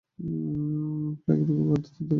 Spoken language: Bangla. প্লেগ রোগের প্রাদুর্ভাব দেখা দেয়।